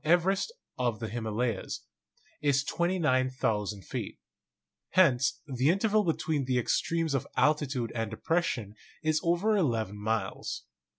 Everest of the Hima layas) is 29,000 feet; hence the interval between the ex tremes of altitude and depression is over eleven miles.